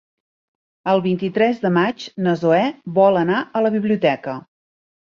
El vint-i-tres de maig na Zoè vol anar a la biblioteca.